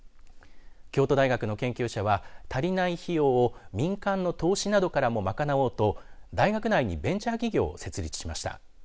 京都大学の研究者は足りない費用を民間の投資などからも賄おうと大学内にベンチャー企業を設立しました。